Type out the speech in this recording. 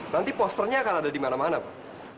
nanti posternya akan ada di mana mana pak